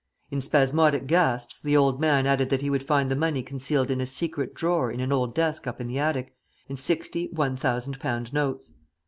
In spasmodic gasps the old man added that he would find the money concealed in a secret drawer in an old desk up in the attic, in sixty one thousand pound notes.